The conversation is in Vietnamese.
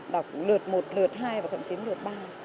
đọc lượt một lượt hai và thậm chí lượt ba